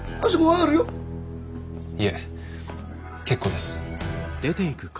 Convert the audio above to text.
いえ結構です。